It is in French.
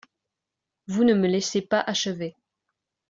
Vous ne me laissez pas achever.